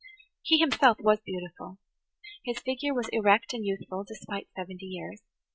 He himself was beautiful. His figure was erect and youthful, despite seventy years.